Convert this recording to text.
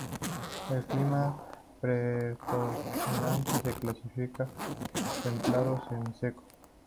El clima preponderante se clasifica templado semiseco.